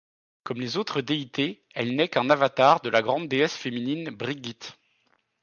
Comme les autres déités, elle n'est qu’un avatar de la grande déesse féminine Brigit.